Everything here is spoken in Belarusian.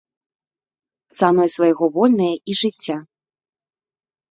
Цаной свайго вольныя і жыцця.